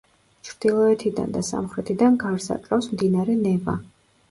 ჩრდილოეთიდან და სამხრეთიდან გარს აკრავს მდინარე ნევა.